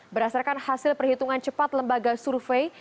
berdasarkan hasil perhitungan cepat lembaga survei